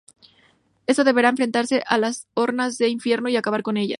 Este deberá enfrentarse a las hordas del infierno y acabar con ellas.